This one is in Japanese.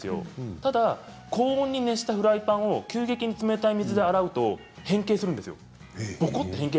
ただ高温に熱したフライパンを急激に水で洗うと変形してしまうんですよ。